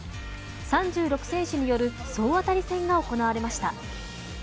３６選手による総当たり戦が行われました。